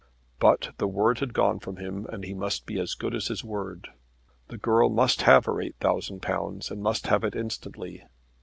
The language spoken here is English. But the word had gone from him and he must be as good as his word. The girl must have her £8,000 and must have it instantly.